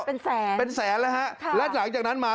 เป็นแสนเป็นแสนแล้วฮะค่ะและหลังจากนั้นมา